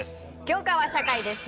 教科は社会です。